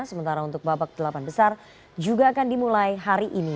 sementara untuk babak delapan besar juga akan dimulai hari ini